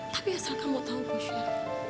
tapi asalkan mau tahu bosya